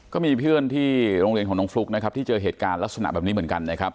ก็มีเพื่อนที่โรงเรียนของน้องฟลุ๊กนะครับที่เจอเหตุการณ์ลักษณะแบบนี้เหมือนกันนะครับ